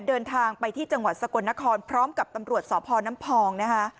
เดินทางไปที่จังหวัดสกลนครพร้อมกับตำรวจสพน้ำพองนะคะ